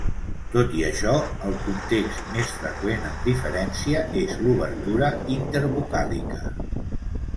Tot i això, el context més freqüent, amb diferència, és l'obertura intervocàlica.